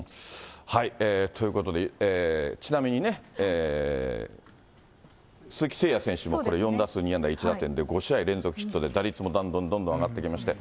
ということで、ちなみにね、鈴木誠也選手も４打数２安打１打点で、５試合連続ヒットで、打率もどんどんどんどん上がってきまして、